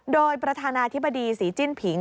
โดยประธานาธิบดีศรีจิ้นผิง